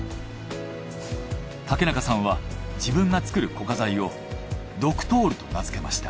竹中さんは自分が作る固化材をドクトールと名づけました。